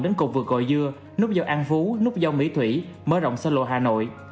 đến cục vực gòi dưa núp giao an phú núp giao mỹ thủy mở rộng sân lộ hà nội